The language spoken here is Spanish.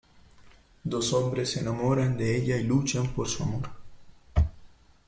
Dos hombres se enamoran de ella y luchan por su amor.